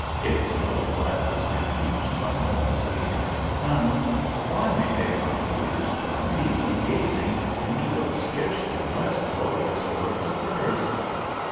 If smoked glasses can be used by mortals gazing at the sun, why may they not be used by me when gazing into those scarcely less glorious orbs of hers?"